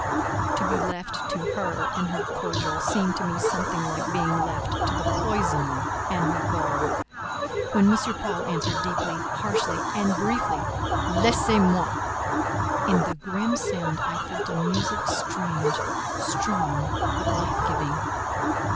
To be left to her and her cordial seemed to me something like being left to the poisoner and her bowl. When M. Paul answered deeply, harshly, and briefly—"Laissez moi!" in the grim sound I felt a music strange, strong, but life giving.